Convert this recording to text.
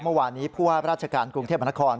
เมื่อวานนี้ผู้ว่าราชการกรุงเทพมนคร